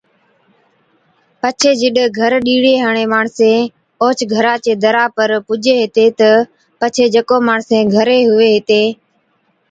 پڇي جِڏ گھر ڏِيڻي ھاڙين ماڻسين اوھچ گھرا چي درا پر پُجين ھِتين تہ پڇي جڪو ماڻسين گھرين ھُوَي ھِتين